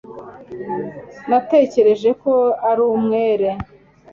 natekereje ko ari umwere